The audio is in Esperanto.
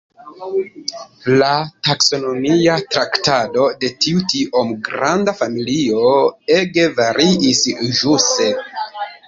La taksonomia traktado de tiu tiom granda familio ege variis ĵuse.